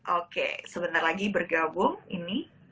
oke sebentar lagi bergabung ini